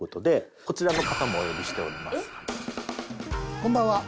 こんばんは。